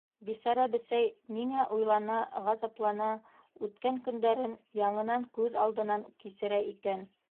Бисара бесәй ниңә уйлана-ғазаплана, үткән көндәрен яңынан күҙ алдынан кисерә икән?